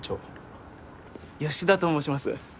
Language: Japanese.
あっ吉田と申します。